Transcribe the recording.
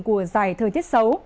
của giải thời tiết xấu